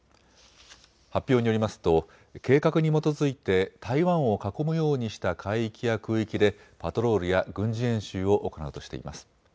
発表によりますと計画に基づいて台湾を囲むようにした海域や空域でパトロールや軍事演習を行うとしています。